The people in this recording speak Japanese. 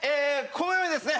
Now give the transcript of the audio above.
このようにですね